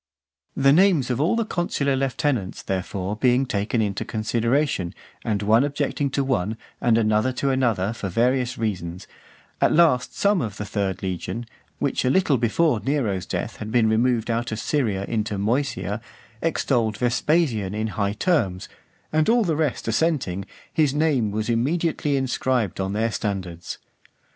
The names of all the consular lieutenants, therefore, being taken into consideration, and one objecting to one, and another to another, for various reasons; at last some of the third legion, which a little before Nero's death had been removed out of Syria into Moesia, extolled Vespasian in high terms; and all the rest assenting, his name was immediately inscribed on their standards.